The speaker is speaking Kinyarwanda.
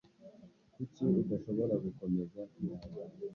Kuki udashobora gukomeza kwihangana